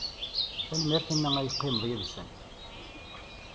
Tanemmirt imi ay teqqimed yid-sen.